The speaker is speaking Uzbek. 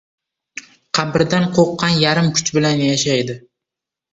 • Qabrdan qo‘rqqan yarim kuch bilan yashaydi.